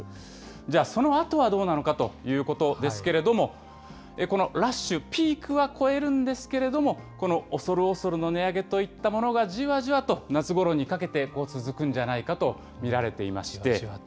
じゃあそのあとはどうなのかということですけれども、このラッシュ、ピークは越えるんですけれども、この恐る恐るの値上げといったものがじわじわと夏ごろにかけて続くんじゃないかと見られていまして。